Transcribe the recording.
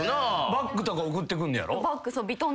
バッグとか贈ってくんねやろ？